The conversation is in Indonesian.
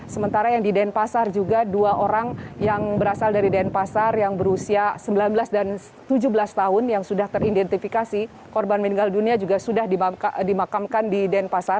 sementara yang di denpasar juga dua orang yang berasal dari denpasar yang berusia sembilan belas dan tujuh belas tahun yang sudah teridentifikasi korban meninggal dunia juga sudah dimakamkan di denpasar